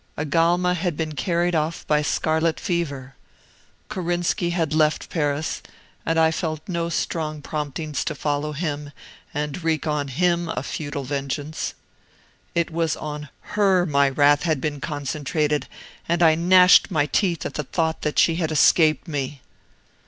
Agalma had been carried off by scarlet fever. Korinski had left Paris, and I felt no strong promptings to follow him, and wreak on him a futile vengeance. It was on HER my wrath had been concentrated, and I gnashed my teeth at the thought that she had escaped me.